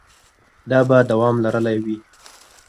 دا به دوام لرلی وي.